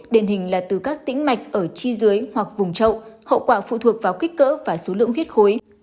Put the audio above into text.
điển hình là từ các tĩnh mạch ở chi dưới hoặc vùng trậu hậu quả phụ thuộc vào kích cỡ và số lượng huyết khối